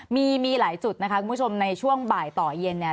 มีมีหลายจุดนะคะคุณผู้ชมในช่วงบ่ายต่อเย็นเนี่ย